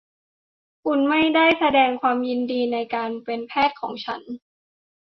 คุณไม่ได้แสดงความยินดีในการเป็นแพทย์ของฉัน